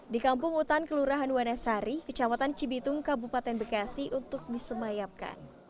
di kampung hutan kelurahan wanesari kecamatan cibitung kabupaten bekasi untuk disemayapkan